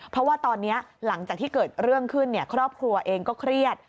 เพราะว่าตอนนี้หลังจากที่เกิดเรื่องขึ้นครอบครัวเองก็เครียด